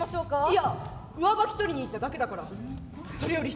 いや上履き取りに行っただけだからそれより瞳。